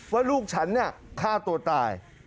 ว่าลูกฉันฆ่าตัวตาย